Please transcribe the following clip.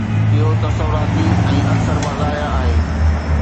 اهو تصوراتي ۽ اڪثر مزاحيه آهي